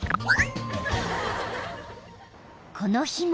［この日も］